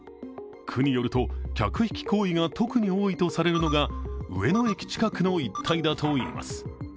区によると客引行為が特に多いとされるのが上野駅近くの一帯だといいます。